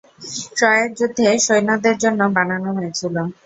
ট্রয়ের যুদ্ধে সৈন্যদের জন্য বানানো হয়েছিলো।